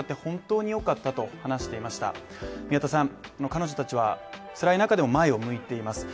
彼女たちはつらい中でも前を向いています。